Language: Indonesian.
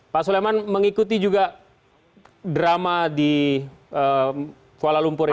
pak suleman mengikuti juga drama di kuala lumpur